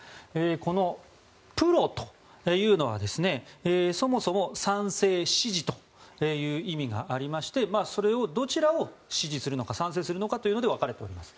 このプロというのはそもそも、賛成・支持という意味がありましてそれをどちらを支持するのか賛成するのかで分かれております。